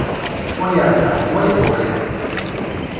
Wa yerbeḥ, wa iqucc.